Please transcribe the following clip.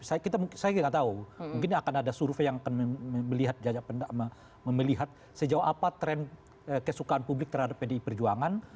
saya tidak tahu mungkin akan ada survei yang akan melihat sejauh apa tren kesukaan publik terhadap pdi perjuangan